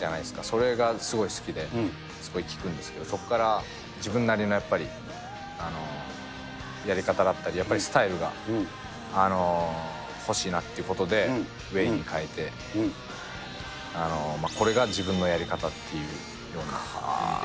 それがすごい好きで、すごい聴くんですけど、そこから自分なりのやっぱり、やり方だったり、やっぱりスタイルが欲しいなっていうことで、ウェイにかえてこれが自分のやり方っていうような意味で。